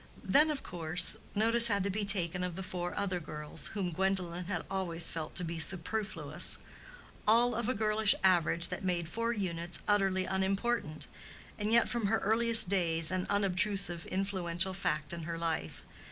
Then, of course, notice had to be taken of the four other girls, whom Gwendolen had always felt to be superfluous: all of a girlish average that made four units utterly unimportant, and yet from her earliest days an obtrusive influential fact in her life.